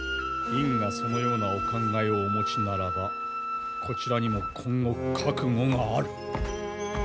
院がそのようなお考えをお持ちならばこちらにも今後覚悟がある！